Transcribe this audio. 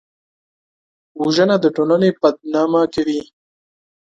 وژنه د ټولنې بدنامه کوي